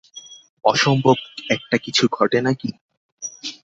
অসম্ভব একটা-কিছু ঘটে না কি?